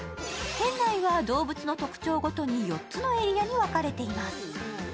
店内は動物の特徴ごとに４つのエリアに分かれています。